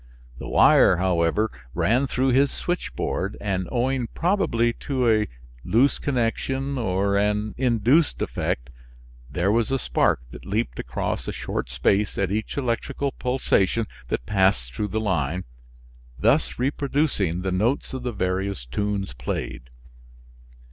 The wire, however, ran through his switchboard, and owing probably to a loose connection, or an induced effect, there was a spark that leaped across a short space at each electrical pulsation that passed through the line, thus reproducing the notes of the various tunes played.